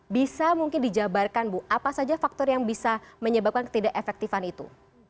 bisa mungkin dijabarkan bu apa saja faktor yang bisa menyebabkan ketidak efektifan itu